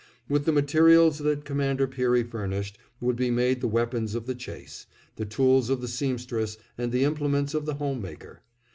With the materials that Commander Peary furnished would be made the weapons of the chase, the tools of the seamstress, and the implements of the home maker.